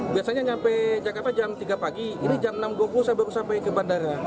biasanya nyampe jakarta jam tiga pagi ini jam enam dua puluh saya baru sampai ke bandara